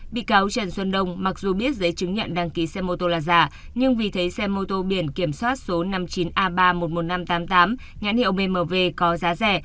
bị cáo trần xuân đông mặc dù biết giấy chứng nhận đăng ký xe mô tô là giả nhưng vì thấy xe mô tô biển kiểm soát số năm mươi chín a ba trăm một mươi một nghìn năm trăm tám mươi tám nhãn hiệu bmw có giá rẻ